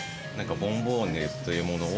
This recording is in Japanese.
ボンボーヌというものを。